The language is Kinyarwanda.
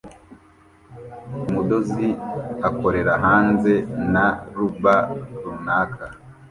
Umudozi akorera hanze na rubel runaka